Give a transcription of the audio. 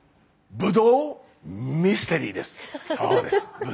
ブドウミステリー。